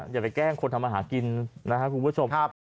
อย่าไปแกล้งคนทำอาหารกินนะครับคุณผู้ชม